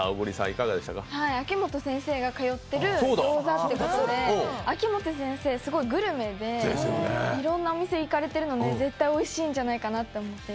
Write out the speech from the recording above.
秋元先生が通っている餃子ってことで、秋元先生、すごいグルメでいろんなお店行かれてるんで絶対おいしいんじゃないかと思って。